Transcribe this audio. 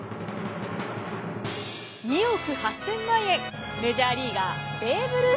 ２億８，０００万円メジャーリーガーベーブ・ルース。